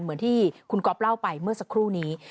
เหมือนที่คุณก๊อฟเล่าไปเมื่อสักครู่นี้